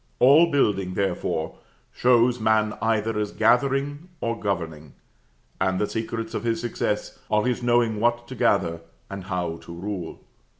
All building, therefore, shows man either as gathering or governing: and the secrets of his success are his knowing what to gather, and how to rule.